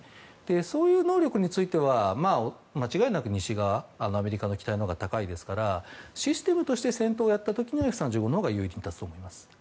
そういう能力については間違いなく西側アメリカの機体のほうが高いですからシステムとして戦闘をやった時にはＦ３５のほうが優位に立つと思います。